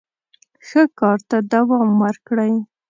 ښه کار ته دوام ورکړئ.